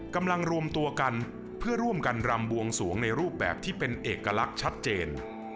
กำลังรวมตัวกันเพื่อร่วมกันรำบวงสวงในรูปแบบที่เป็นเอกลักษณ์ชัดเจน